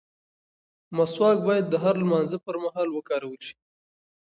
مسواک باید د هر لمانځه پر مهال وکارول شي.